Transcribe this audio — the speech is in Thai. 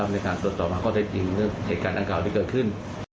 ในการตรวจต่อมาก็ได้พิมพ์เรื่องเหตุการณ์อังกฤษที่เกิดขึ้น